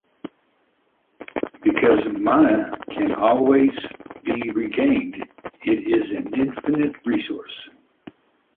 Because mana can always be regained, it is an infinite resource.